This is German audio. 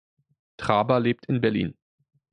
Traber lebt in Berlin.